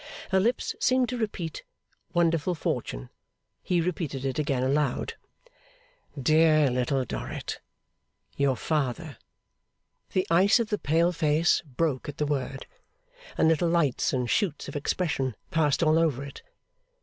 Her lips seemed to repeat 'Wonderful fortune?' He repeated it again, aloud. 'Dear Little Dorrit! Your father.' The ice of the pale face broke at the word, and little lights and shoots of expression passed all over it.